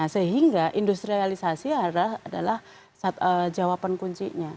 sehingga industrialisasi adalah jawaban kuncinya